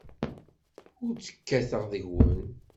Ur d-kkateɣ deg-wen.